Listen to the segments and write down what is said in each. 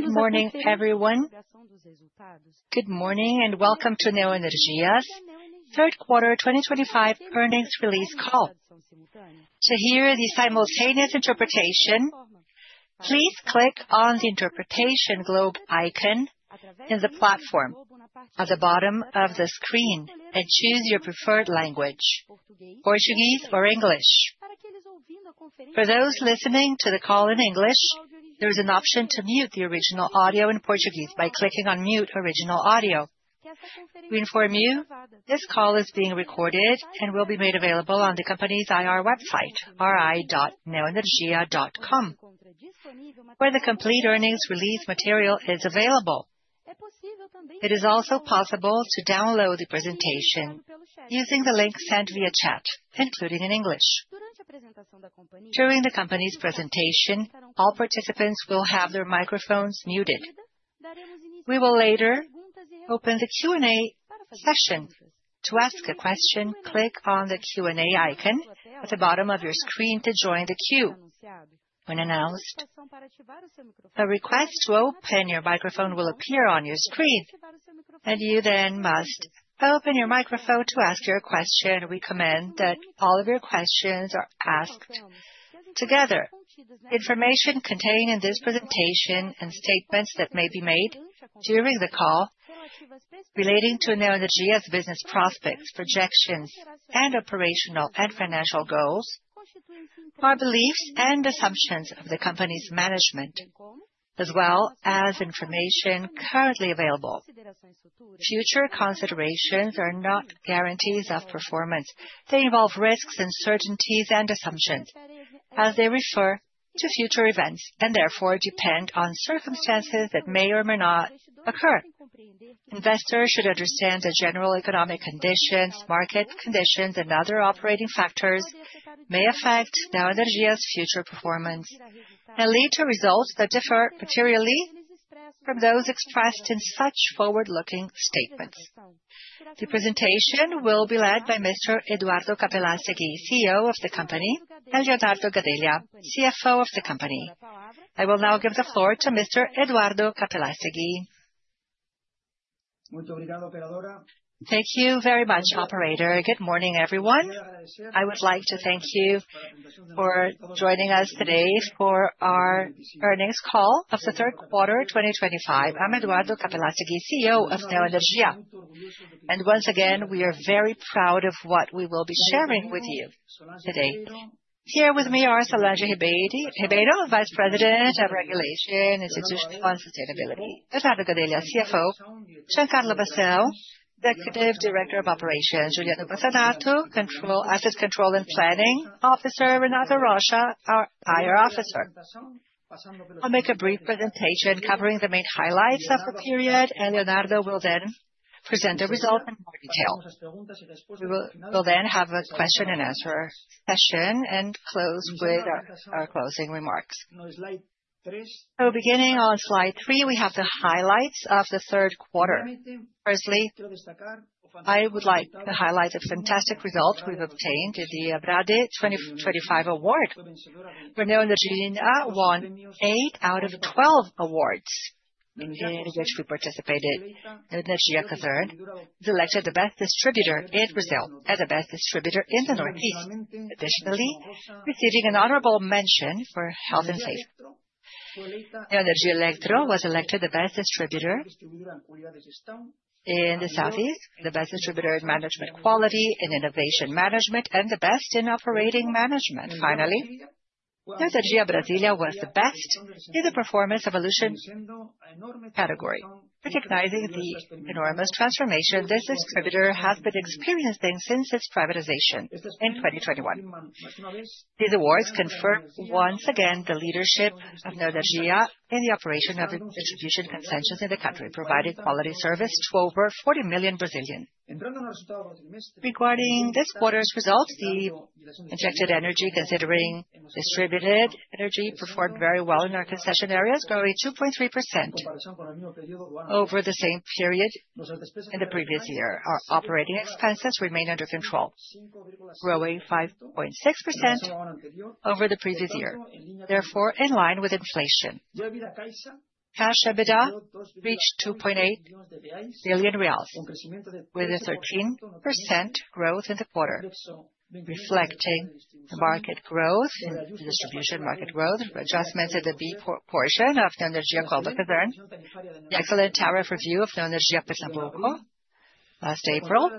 Good morning, everyone. Good morning and welcome to Neoenergia's third quarter 2025 earnings release call. To hear the simultaneous interpretation, please click on the Interpretation Globe icon in the platform at the bottom of the screen and choose your preferred language: Portuguese or English. For those listening to the call in English, there is an option to mute the original audio in Portuguese by clicking on Mute Original Audio. We inform you this call is being recorded and will be made available on the company's IR website, ri.neoenergia.com, where the complete earnings release material is available. It is also possible to download the presentation using the link sent via chat, including in English. During the company's presentation, all participants will have their microphones muted. We will later open the Q&A session. To ask a question, click on the Q&A icon at the bottom of your screen to join the queue. When announced, a request to open your microphone will appear on your screen, and you then must open your microphone to ask your question. We recommend that all of your questions are asked together. Information contained in this presentation and statements that may be made during the call relating to Neoenergia's business prospects, projections, and operational and financial goals are beliefs and assumptions of the company's management, as well as information currently available. Future considerations are not guarantees of performance. They involve risks, uncertainties, and assumptions, as they refer to future events and therefore depend on circumstances that may or may not occur. Investors should understand that general economic conditions, market conditions, and other operating factors may affect Neoenergia's future performance and lead to results that differ materially from those expressed in such forward-looking statements. The presentation will be led by Mr. Eduardo Capelastegui, CEO of the company, and Leonardo Gadelha, CFO of the company. I will now give the floor to Mr. Eduardo Capelastegui. Thank you very much, operator. Good morning, everyone. I would like to thank you for joining us today for our earnings call of the third quarter 2025. I'm Eduardo Capelastegui, CEO of Neoenergia. Once again, we are very proud of what we will be sharing with you today. Here with me are Solange Ribeiro, Vice President of Regulation, Institutional Fund Sustainability; Eduardo Gadelha, CFO; Giancarlo Bassell, Executive Director of Operations; Julieta Bassanato, Asset Control and Planning Officer; Renata Rocha, our IR Officer. I'll make a brief presentation covering the main highlights of the period, and Leonardo will then present the results in more detail. We will then have a question and answer session and close with our closing remarks. Beginning on slide three, we have the highlights of the third quarter. Firstly, I would like to highlight the fantastic result we've obtained in the ABRADE 2025 award. Renew Energy won eight out of twelve awards in which we participated. Neoenergia Coelce is elected the best distributor in Brazil as the best distributor in the Northeast, additionally receiving an honorable mention for health and safety. Neoenergia Elektro was elected the best distributor in the Southeast, the best distributor in management quality and innovation management, and the best in operating management. Finally, Neoenergia Brasília was the best in the performance evolution category, recognizing the enormous transformation this distributor has been experiencing since its privatization in 2021. These awards confirm once again the leadership of Neoenergia in the operation of distribution concessions in the country, providing quality service to over 40 million Brazilians. Regarding this quarter's results, the injected energy, considering distributed energy, performed very well in our concession areas, growing 2.3% over the same period in the previous year. Our operating expenses remain under control, growing 5.6% over the previous year, therefore in line with inflation. Cash EBITDA reached R$2.8 billion, with a 13% growth in the quarter, reflecting the market growth in the distribution market growth. Adjustments in the B portion of Neoenergia Cazerne, the excellent tariff review of Neoenergia Pernambuco last April,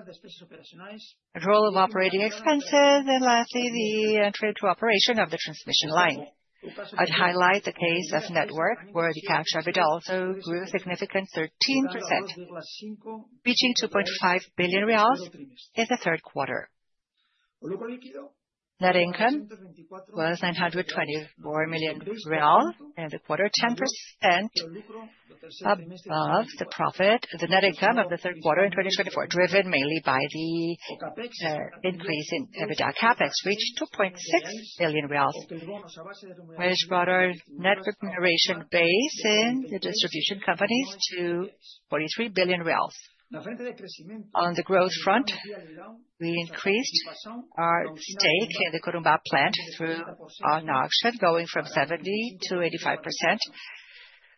control of operating expenses, and lastly, the entry into operation of the transmission line. I'd highlight the case of network, where the cash EBITDA also grew a significant 13%, reaching R$2.5 billion in the third quarter. Net income was R$924 million in the quarter, 10% above the profit, the net income of the third quarter in 2023, driven mainly by the increase in EBITDA. Capex reached R$2.6 billion, which brought our net remuneration base in the distribution companies to R$43 billion. On the growth front, we increased our stake in the Corumbá plant through our acquisition, going from 70% to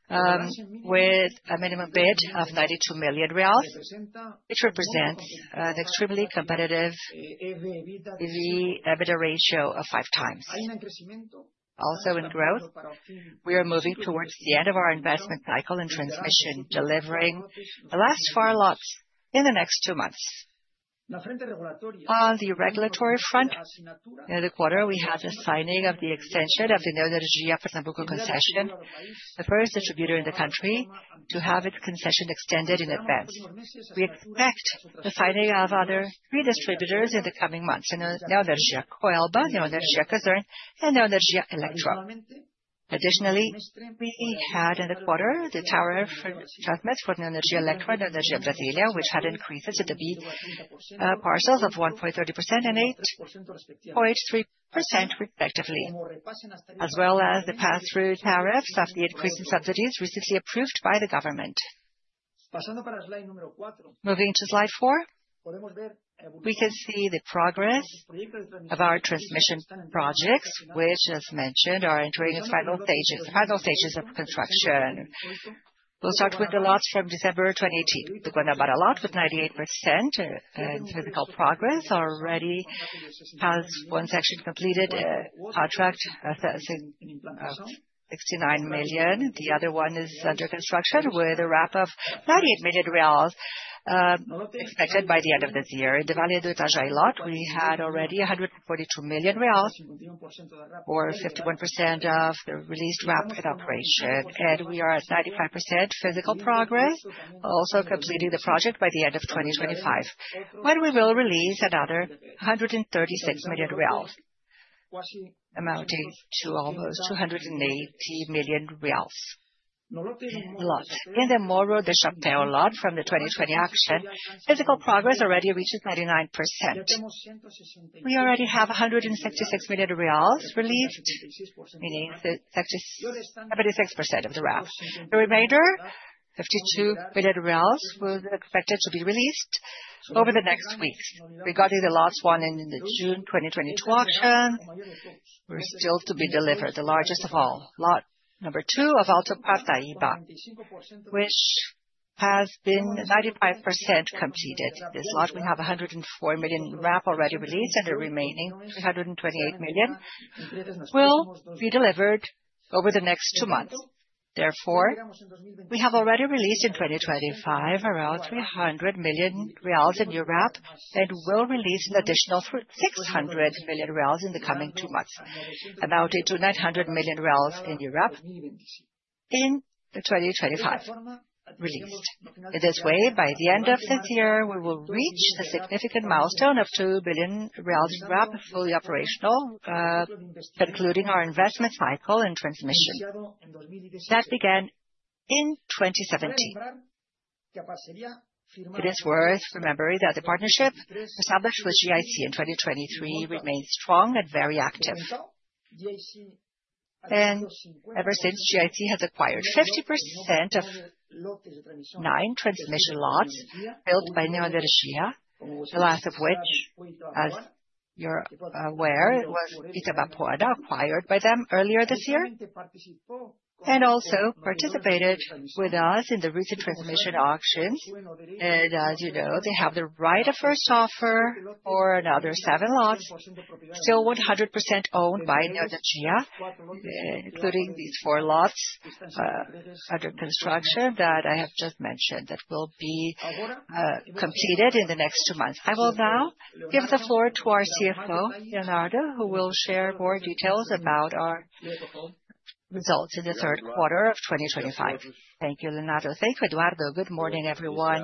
85%, with a minimum bid of R$92 million, which represents an extremely competitive EBITDA ratio of five times. Also in growth, we are moving towards the end of our investment cycle in transmission, delivering the last four lots in the next two months. On the regulatory front, in the quarter, we had the signing of the extension of the Neoenergia Pernambuco concession, the first distributor in the country to have its concession extended in advance. We expect the signing of other three distributors in the coming months: Neoenergia Coelba, Neoenergia Cosern, and Neoenergia Elektro. Additionally, we had in the quarter the tariff adjustments for Neoenergia Electro and Neoenergia Brasília, which had increases in the B parcels of 1.3% and 8.3%, respectively, as well as the pass-through tariffs of the increasing subsidies recently approved by the government. Moving to slide four, we can see the progress of our transmission projects, which, as mentioned, are entering their final stages, the final stages of construction. We'll start with the lots from December 2018. The Guanabara lot with 98% physical progress already has one section completed, a contract assessing of R$69 million. The other one is under construction with a wrap of R$98 million expected by the end of this year. In the Valle do Itajaí lot, we had already R$142 million or 51% of the released wrap in operation, and we are at 95% physical progress, also completing the project by the end of 2025, when we will release another R$136 million, amounting to almost R$280 million. In the Morro de Chapéu lot from the 2020 action, physical progress already reaches 99%. We already have R$166 million released, meaning 76% of the wrap. The remainder, R$52 million, was expected to be released over the next weeks. Regarding the lots won in the June 2022 auction, we're still to be delivered. The largest of all, lot number two of Alto Pastaíba, which has been 95% completed. This lot, we have R$104 million wrap already released, and the remaining R$328 million will be delivered over the next two months. Therefore, we have already released in 2025 around R$300 million in new wrap and will release an additional R$600 million in the coming two months, amounting to R$900 million in new wrap in the 2025 released. In this way, by the end of this year, we will reach a significant milestone of R$2 billion in wrap fully operational, concluding our investment cycle in transmission that began in 2017. It is worth remembering that the partnership established with GIC in 2023 remains strong and very active. Ever since GIC has acquired 50% of nine transmission lots built by Neoenergia, the last of which, as you're aware, was Itamar Poada acquired by them earlier this year, and also participated with us in the recent transmission auctions. As you know, they have the right of first offer for another seven lots, still 100% owned by Neoenergia, including these four lots under construction that I have just mentioned that will be completed in the next two months. I will now give the floor to our CFO, Leonardo, who will share more details about our results in the third quarter of 2025. Thank you, Leonardo. Thank you, Eduardo. Good morning, everyone.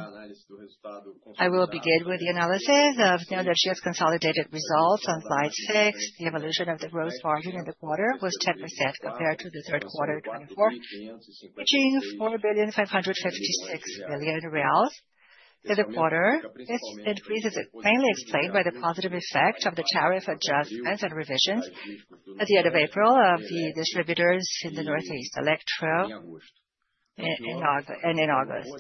I will begin with the analysis of Neoenergia's consolidated results on slide six. The evolution of the gross margin in the quarter was 10% compared to the third quarter 2024, reaching R$4,556 million in the quarter. This increase is mainly explained by the positive effect of the tariff adjustments and revisions at the end of April of the distributors in the Northeast, Electro and in August.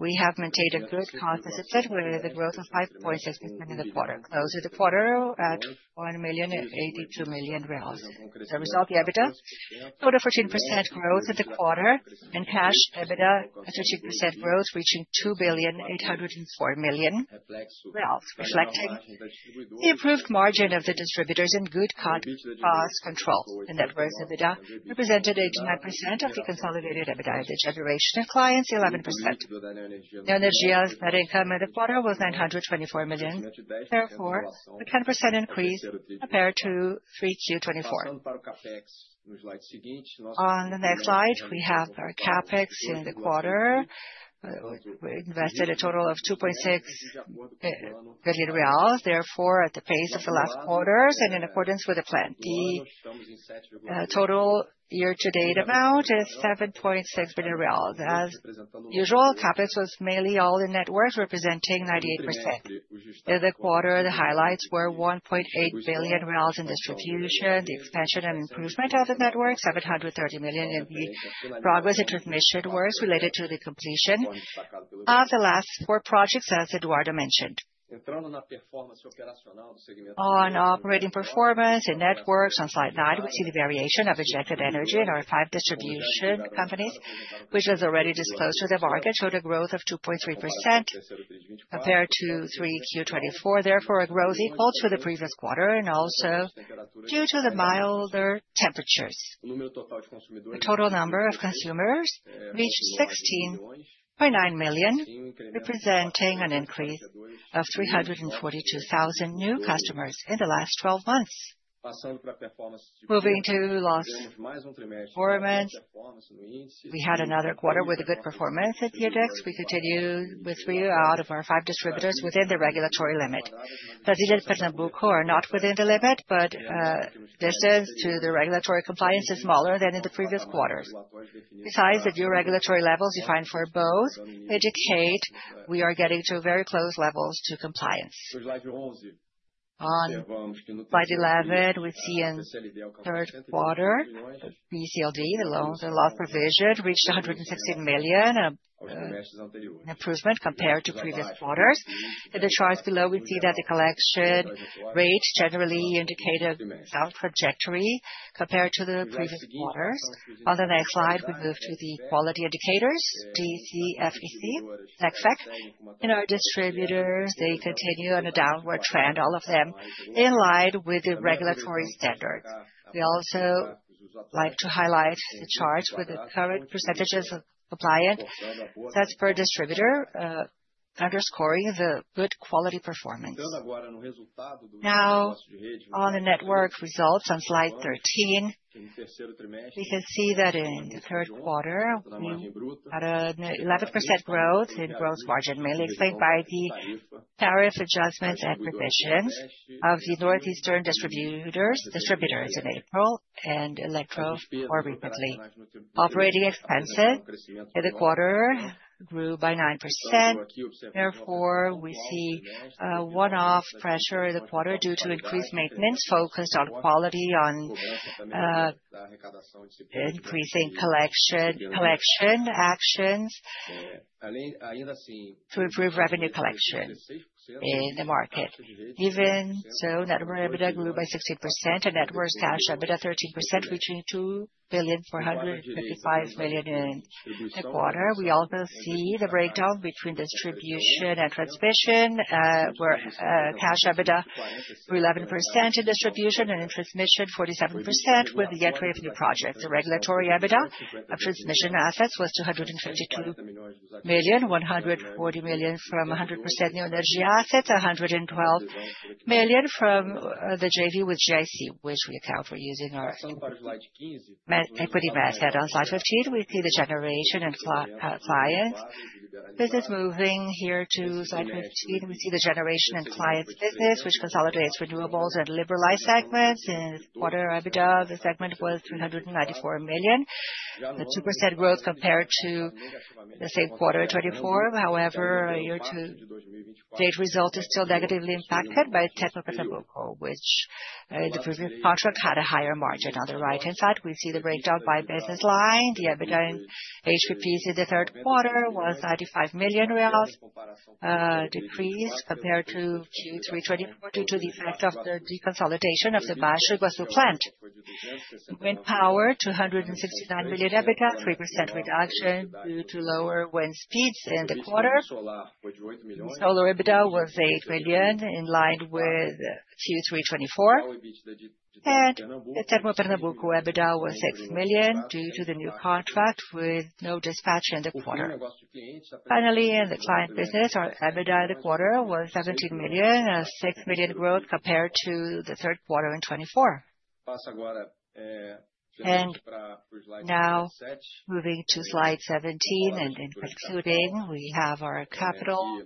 We have maintained a good cost benefit with a growth of 5.6% in the quarter, closing the quarter at R$1,082 million. As a result, the EBITDA showed a 14% growth in the quarter and cash EBITDA at 13% growth, reaching R$2,804 million, reflecting the improved margin of the distributors and good cost control. The network's EBITDA represented 89% of the consolidated EBITDA and the generation of clients, 11%. Neoenergia's net income in the quarter was R$924 million. Therefore, a 10% increase compared to Q3 2024. On the next slide, we have our capex in the quarter. We invested a total of R$2.6 billion. Therefore, at the pace of the last quarters and in accordance with the plan, the total year-to-date amount is R$7.6 billion. As usual, capex was mainly all in networks, representing 98%. In the quarter, the highlights were R$1.8 billion in distribution, the expansion and improvement of the networks, R$730 million in the progress in transmission works related to the completion of the last four projects, as Eduardo mentioned. On operating performance in networks, on slide nine, we see the variation of injected energy in our five distribution companies, which was already disclosed to the market, showed a growth of 2.3% compared to Q3 2024. Therefore, a growth equal to the previous quarter and also due to the milder temperatures. The total number of consumers reached 16.9 million, representing an increase of 342,000 new customers in the last 12 months. Moving to loss performance, we had another quarter with a good performance at the index. We continued with three out of our five distributors within the regulatory limit. Brazil and Pernambuco are not within the limit, but distance to the regulatory compliance is smaller than in the previous quarters. Besides the new regulatory levels defined for both, we indicate we are getting to very close levels to compliance. On slide 11, we see in the third quarter, BCLD, the loan and loss provision reached $116 million, an improvement compared to previous quarters. In the charts below, we see that the collection rate generally indicated some trajectory compared to the previous quarters. On the next slide, we move to the quality indicators, GCFEC, NECFEC. In our distributors, they continue on a downward trend, all of them in line with the regulatory standards. We also like to highlight the chart with the current percentages of compliance sets per distributor, underscoring the good quality performance. Now, on the network results on slide 13, we can see that in the third quarter, we had an 11% growth in gross margin, mainly explained by the tariff adjustments and provisions of the Northeastern distributors in April and Electro more recently. Operating expenses in the quarter grew by 9%. Therefore, we see a one-off pressure in the quarter due to increased maintenance focused on quality, on increasing collection actions to improve revenue collection in the market. Even so, network EBITDA grew by 16% and network cash EBITDA 13%, reaching $2,455 million in the quarter. We also see the breakdown between distribution and transmission, where cash EBITDA grew 11% in distribution and in transmission, 47% with the entry of new projects. The regulatory EBITDA of transmission assets was $252 million, $140 million from 100% Neoenergia assets, $112 million from the JV with GIC, which we account for using our equity method. On slide 15, we see the generation and client business moving here to slide 15. We see the generation and client business, which consolidates renewables and liberalized segments. In the quarter, EBITDA of the segment was $394 million, a 2% growth compared to the same quarter 2024. However, year-to-date result is still negatively impacted by Tecno Pernambuco, which in the previous contract had a higher margin. On the right-hand side, we see the breakdown by business line. The EBITDA in HPPC in the third quarter was $95 million reals decreased compared to Q3 2024 due to the effect of the deconsolidation of the Bashugasu plant. Wind power, $269 million EBITDA, 3% reduction due to lower wind speeds in the quarter. Solar EBITDA was $8 million in line with Q3 2024, and the Tecno Pernambuco EBITDA was $6 million due to the new contract with no dispatch in the quarter. Finally, in the client business, our EBITDA in the quarter was $17 million, a $6 million growth compared to the third quarter in 2024. Moving to slide 17 and concluding, we have our capital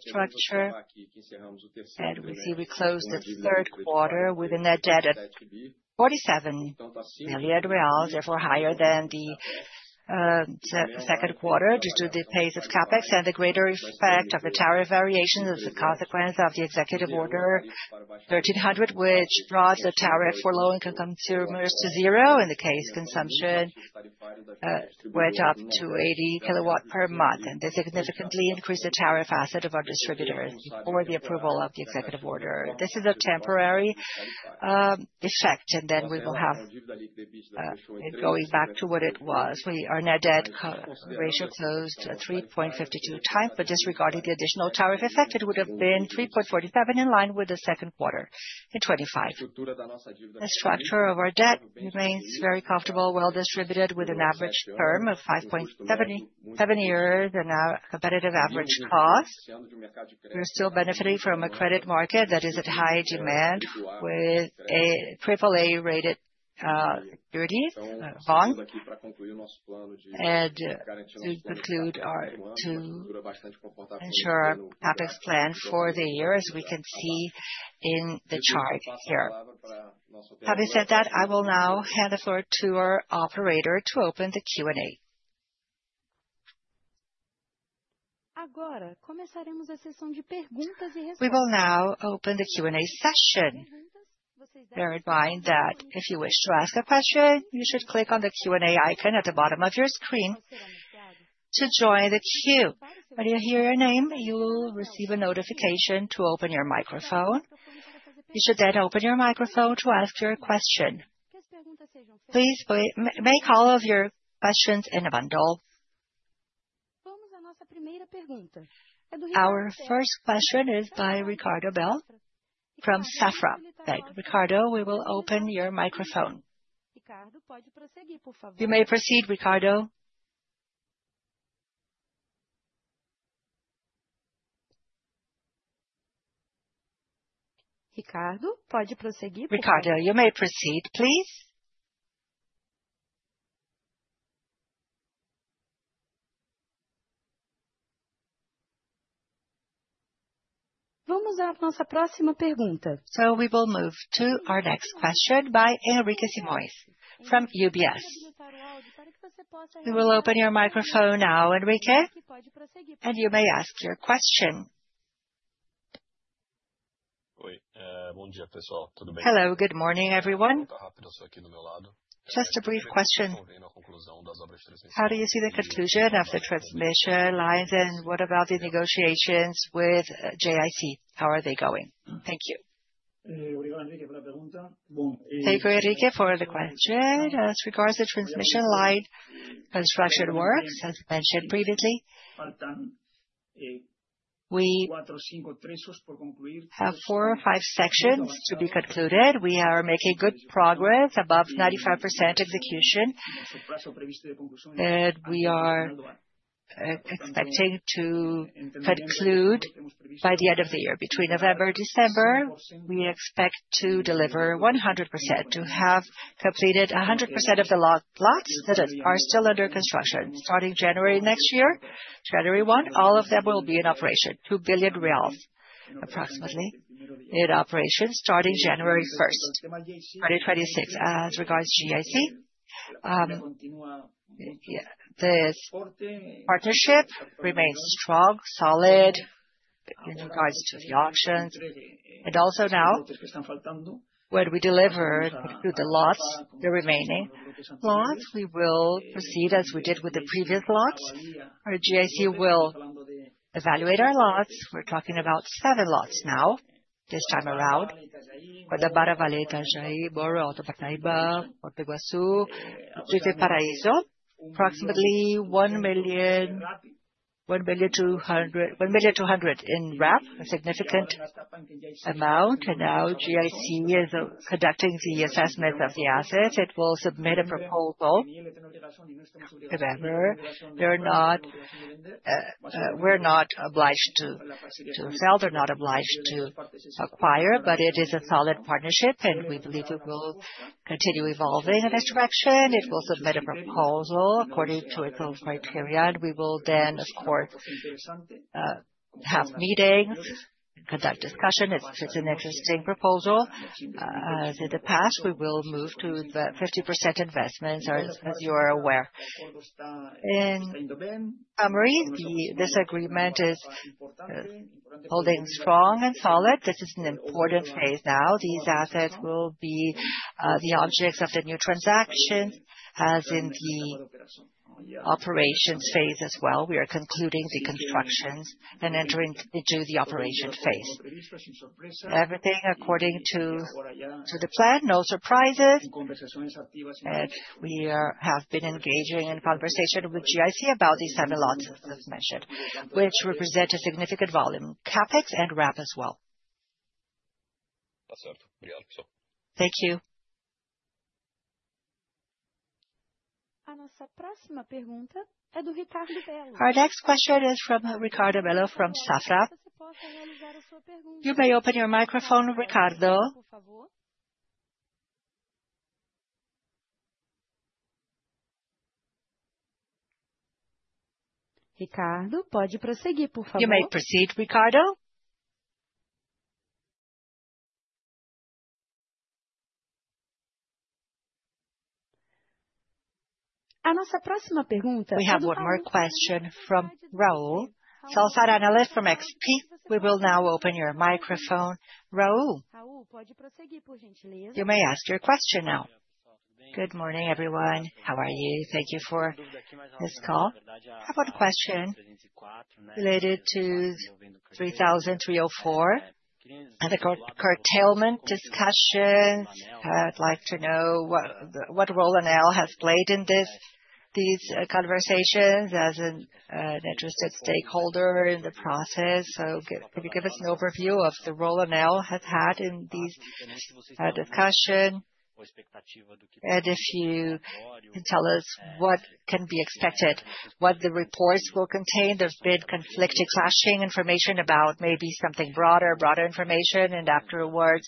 structure, and we see we closed the third quarter with a net debt of R$47 million, therefore higher than the second quarter due to the pace of capex and the greater effect of the tariff variations as a consequence of the executive order 1300, which brought the tariff for low-income consumers to zero. In the case, consumption went up to 80 kilowatts per month, and this significantly increased the tariff asset of our distributors before the approval of the executive order. This is a temporary effect, and then we will have it going back to what it was. Our net debt ratio closed at 3.52 times, but disregarding the additional tariff effect, it would have been 3.47 in line with the second quarter in 2025. The structure of our debt remains very comfortable, well-distributed with an average term of 5.77 years and a competitive average cost. We're still benefiting from a credit market that is at high demand with AAA-rated securities bonds and to conclude our capex plan for the year, as we can see in the chart here. Having said that, I will now hand the floor to our operator to open the Q&A. We will now open the Q&A session. Bear in mind that if you wish to ask a question, you should click on the Q&A icon at the bottom of your screen to join the queue. When you hear your name, you will receive a notification to open your microphone. You should then open your microphone to ask your question. Please make all of your questions in a bundle. Our first question is by Ricardo Bell from Safra. Thank you, Ricardo. We will open your microphone. Ricardo, you may proceed, Ricardo. Ricardo, you may proceed, please. Ricardo, you may proceed, please. Vamos à nossa próxima pergunta. So we will move to our next question by Enrique Simões from UBS. We will open your microphone now, Enrique, and you may ask your question. Oi, bom dia, pessoal, tudo bem? Hello, good morning, everyone. Estou aqui do meu lado. Just a brief question. Como vocês estão vendo a conclusão das obras de transmissão? How do you see the conclusion of the transmission lines and what about the negotiations with GIC? How are they going? Thank you. Thank you, Enrique, for the question. As regards the transmission line construction works, as mentioned previously, we have four or five sections to be concluded. We are making good progress, above 95% execution. We are expecting to conclude by the end of the year. Between November and December, we expect to deliver 100%, to have completed 100% of the lots that are still under construction. Starting January next year, January 1st, all of them will be in operation, R$2 billion approximately, in operation starting January 1st, 2026. As regards GIC, this partnership remains strong, solid in regards to the auctions. Also now, when we deliver the lots, the remaining lots, we will proceed as we did with the previous lots. Our GIC will evaluate our lots. We're talking about seven lots now, this time around, Guadalajara, Puerto Iguazú, and Paraiso, approximately 1,200 in REP, a significant amount. Now GIC is conducting the assessment of the assets. It will submit a proposal whenever. We're not obliged to sell; they're not obliged to acquire, but it is a solid partnership, and we believe it will continue evolving in this direction. It will submit a proposal according to its own criteria, and we will then, of course, have meetings, conduct discussion. It's an interesting proposal. As in the past, we will move to 50% investments, as you are aware. In summary, this agreement is holding strong and solid. This is an important phase now. These assets will be the objects of the new transactions, as in the operations phase as well. We are concluding the constructions and entering into the operation phase. Everything according to the plan, no surprises. We have been engaging in conversation with GIC about these seven lots as mentioned, which represent a significant volume, capex and REP as well. Thank you. A nossa próxima pergunta é do Ricardo Bello. Our next question is from Ricardo Belo from Safra. You may open your microphone, Ricardo. Por favor. Ricardo, pode prosseguir, por favor. You may proceed, Ricardo. A nossa próxima pergunta é. We have one more question from Raul Salazar Anales from XP. We will now open your microphone, Raul. You may ask your question now. Good morning, everyone. How are you? Thank you for this call. I have one question related to 3304 and the cartelment discussions. I'd like to know what role Anel has played in these conversations as an interested stakeholder in the process. Could you give us an overview of the role Anel has had in these discussions? If you can tell us what can be expected, what the reports will contain. There's been conflicting, clashing information about maybe something broader, broader information, and afterwards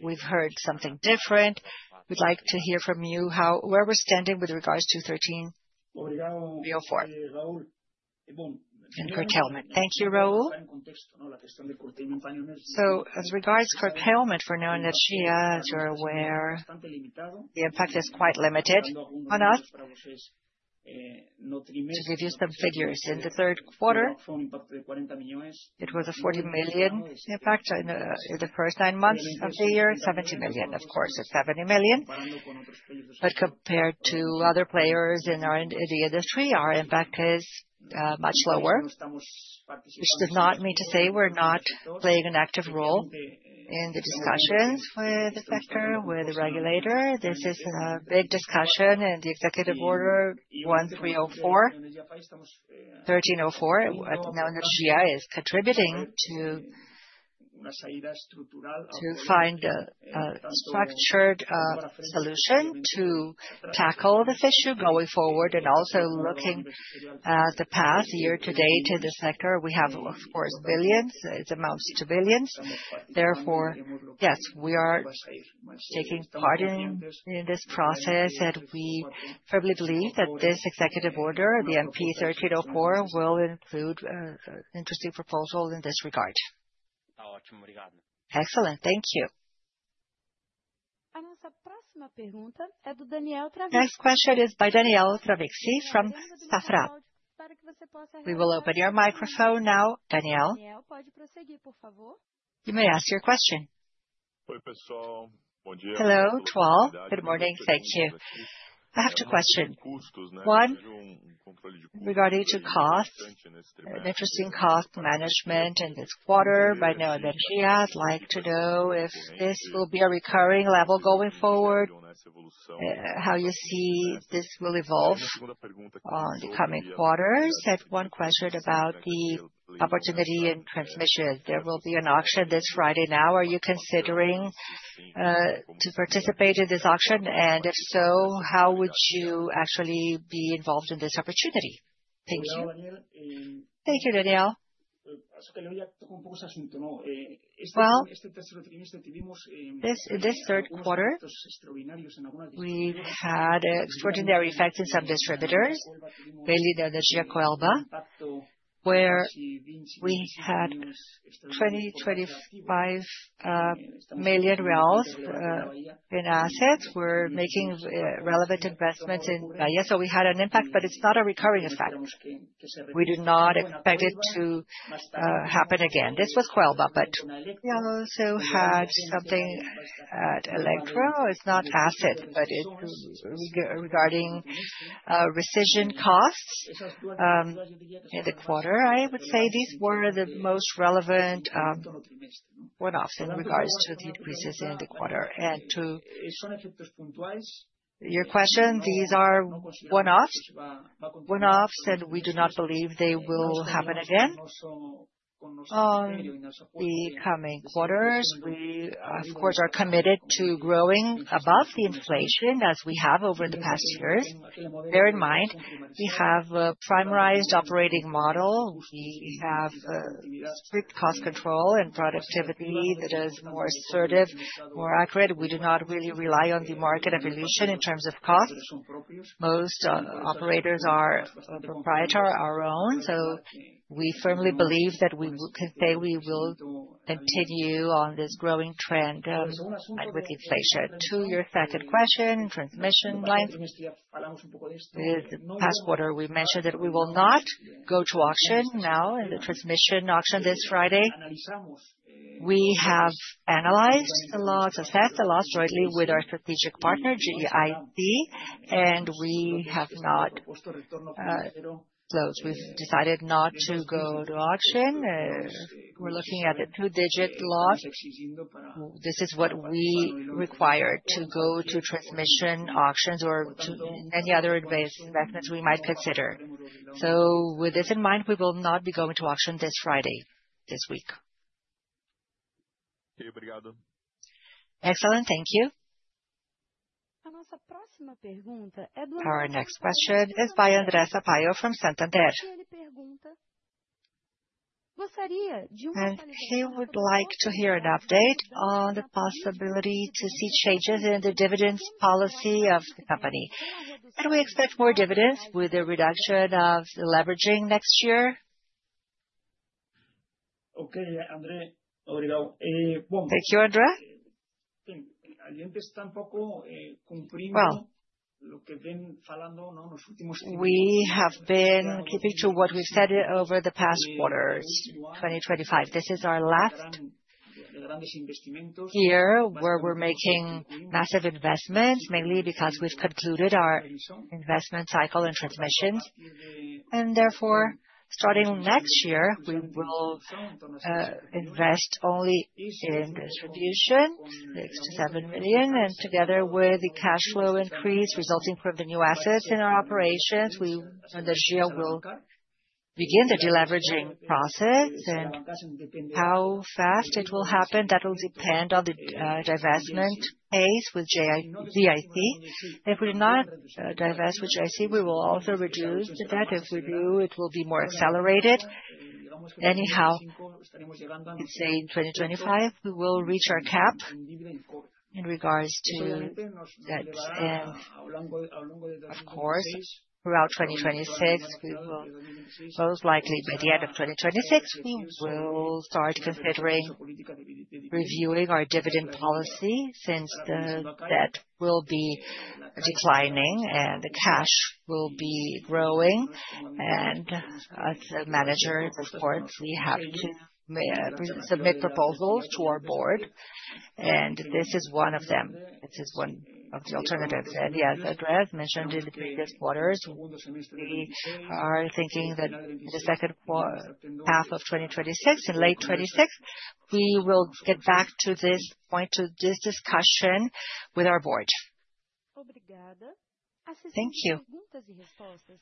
we've heard something different. We'd like to hear from you where we're standing with regards to 1304 and cartelment. Thank you, Raul. As regards cartelment, for knowing that GIC, as you're aware, the impact is quite limited on us. To give you some figures, in the third quarter, it was a $40 million impact in the first nine months of the year, $70 million, of course, it's $70 million. But compared to other players in the industry, our impact is much lower, which does not mean to say we're not playing an active role in the discussions with the sector, with the regulator. This is a big discussion in the executive order 1304, knowing that GI is contributing to find a structured solution to tackle this issue going forward and also looking at the past year to date in the sector. We have, of course, billions; it amounts to billions. Therefore, yes, we are taking part in this process, and we firmly believe that this executive order, the MP 1304, will include an interesting proposal in this regard. Excellent, thank you. A nossa próxima pergunta é do Daniel Travici. Next question is by Daniel Travici from Safra. We will open your microphone now, Daniel. You may ask your question. Oi, pessoal, bom dia. Hello, to all. Good morning, thank you. I have two questions. One regarding costs, an interesting cost management in this quarter. I'd like to know if this will be a recurring level going forward, how you see this will evolve in the coming quarters. And one question about the opportunity in transmission. There will be an auction this Friday now. Are you considering participating in this auction? And if so, how would you actually be involved in this opportunity? Thank you. Thank you, Daniel. In this third quarter, we had extraordinary effects in some distributors, mainly the Energia Coelba, where we had R$20, 25 million in assets. We're making relevant investments in Bahia, so we had an impact, but it's not a recurring effect. We do not expect it to happen again. This was Coelba, but we also had something at Elektro. It's not asset, but it's regarding rescission costs in the quarter. I would say these were the most relevant one-offs in regards to the increases in the quarter. To your question, these are one-offs, and we do not believe they will happen again in the coming quarters. We, of course, are committed to growing above the inflation as we have over the past years. Bear in mind, we have a primarized operating model. We have strict cost control and productivity that is more assertive, more accurate. We do not really rely on the market evolution in terms of cost. Most operators are proprietary, our own. So we firmly believe that we can say we will continue on this growing trend with inflation. To your second question, transmission lines, with the past quarter, we mentioned that we will not go to auction now in the transmission auction this Friday. We have analyzed the lots, assessed the lots jointly with our strategic partner, GEIC, and we have not closed. We've decided not to go to auction. We're looking at the two-digit loss. This is what we require to go to transmission auctions or to any other advanced methods we might consider. So with this in mind, we will not be going to auction this Friday, this week. Excellent, thank you. A nossa próxima pergunta é do. Our next question is by Andressa Paio from Santander. Gostaria de... And he would like to hear an update on the possibility to see changes in the dividends policy of the company. And we expect more dividends with the reduction of leveraging next year. Okay, André, bom. Thank you, André. Cumprimos o que vem falando nos últimos... We have been keeping to what we've said over the past quarters, 2025. This is our last year where we're making massive investments, mainly because we've concluded our investment cycle in transmissions. Therefore, starting next year, we will invest only in distribution, $6 to $7 million. Together with the cash flow increase resulting from the new assets in our operations, we will begin the deleveraging process. How fast it will happen will depend on the divestment pace with GIC. If we do not divest with GIC, we will also reduce the debt. If we do, it will be more accelerated. Anyhow, in 2025, we will reach our cap in regards to debt. Of course, throughout 2026, we will most likely, by the end of 2026, start considering reviewing our dividend policy since the debt will be declining and the cash will be growing. As managers, of course, we have to submit proposals to our board. This is one of them. This is one of the alternatives. Yes, Andressa mentioned in the previous quarters, we are thinking that in the second half of 2026, in late 2026, we will get back to this point, to this discussion with our board. Thank you.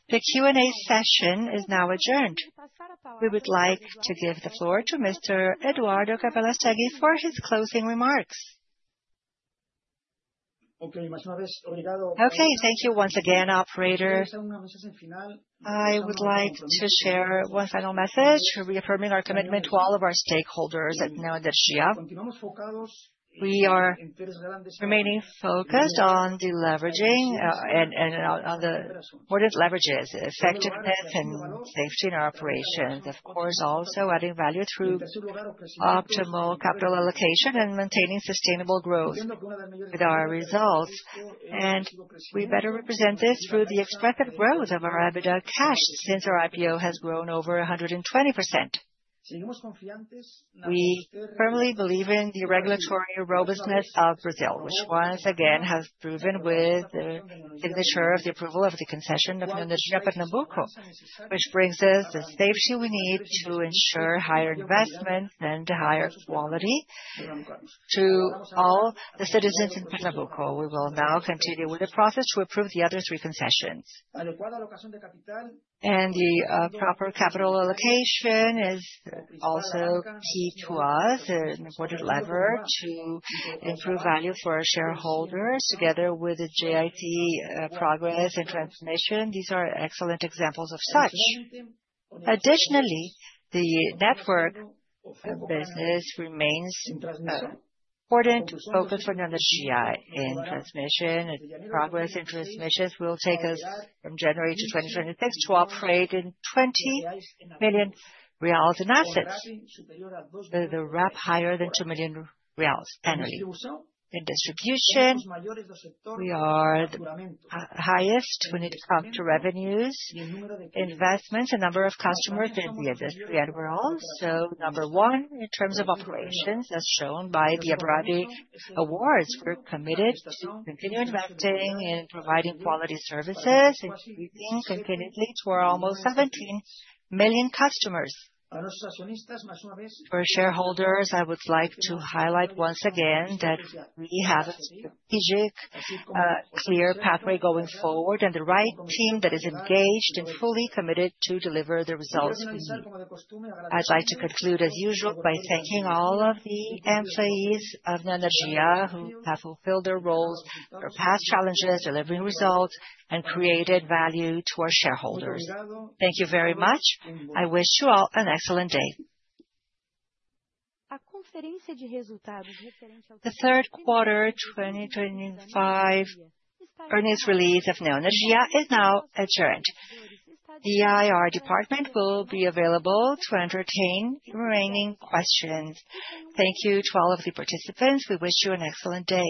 The Q&A session is now adjourned. We would like to give the floor to Mr. Eduardo Capelastegui for his closing remarks. Thank you once again, operator. I would like to share one final message reaffirming our commitment to all of our stakeholders at Neoenergia. We are remaining focused on deleveraging and on the importance of leverages, effectiveness, and safety in our operations. Of course, also adding value through optimal capital allocation and maintaining sustainable growth with our results. We better represent this through the expected growth of our EBITDA cash since our IPO has grown over 120%. We firmly believe in the regulatory robustness of Brazil, which once again has proven with the signature of the approval of the concession of Neoenergia Pernambuco, which brings us the safety we need to ensure higher investments and higher quality to all the citizens in Pernambuco. We will now continue with the process to approve the other three concessions. The proper capital allocation is also key to us in order to leverage to improve value for our shareholders together with the GIC progress and transformation. These are excellent examples of such. Additionally, the network of business remains important to focus on Neoenergia in transmission. The progress in transmissions will take us from January to 2026 to operate R$20 million in assets, with a RAP higher than R$2 million annually. In distribution, we are the highest when it comes to revenues, investments, and number of customers in the industry. We are also number one in terms of operations, as shown by the Aberabi Awards. We're committed to continue investing in providing quality services, increasing continuously to our almost 17 million customers. For shareholders, I would like to highlight once again that we have a strategic, clear pathway going forward and the right team that is engaged and fully committed to deliver the results we need. I'd like to conclude, as usual, by thanking all of the employees of Neoenergia who have fulfilled their roles, their past challenges, delivering results, and created value to our shareholders. Thank you very much. I wish you all an excellent day. A conferência de resultados referente ao terceiro trimestre de 2025 da Neoenergia está encerrada. The IR department will be available to entertain remaining questions. Thank you to all of the participants. We wish you an excellent day.